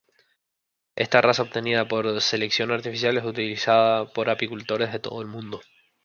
Esta raza obtenida por selección artificial es utilizada por apicultores de todo el mundo.